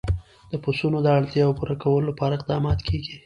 د پسونو د اړتیاوو پوره کولو لپاره اقدامات کېږي.